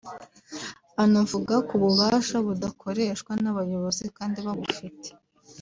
anavuga ku bubasha budakoreshwa n’abayobozi kandi babufite